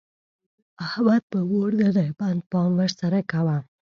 احمد په مور نه دی بند؛ پام ور سره کوه.